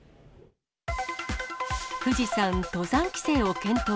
富士山、登山規制を検討。